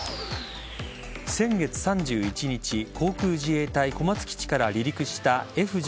先月３１日航空自衛隊小松基地から離陸したＦ‐１５